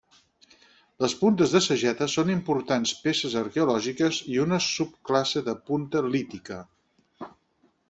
Les puntes de sageta són importants peces arqueològiques i una subclasse de punta lítica.